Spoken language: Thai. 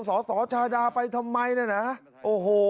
สสชาดาไปทำไมน่ะนะโอ้โห